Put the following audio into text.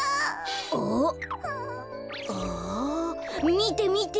みてみて！